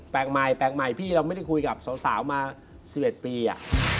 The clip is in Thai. ใหม่แปลกใหม่พี่เราไม่ได้คุยกับสาวมา๑๑ปีอ่ะ